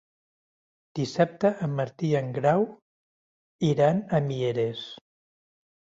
Dissabte en Martí i en Grau iran a Mieres.